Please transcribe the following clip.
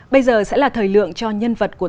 bây giờ sẽ là thời lượng cho nhân vật của